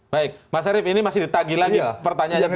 baik mas arief ini masih ditagi lagi pertanyaan yang tadi